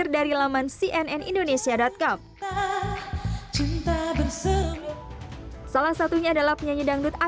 paling sama keluarga aja makanya saya nggak kemana mana